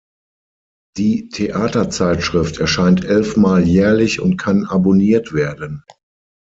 Die Theaterzeitschrift erscheint elf Mal jährlich und kann abonniert werden.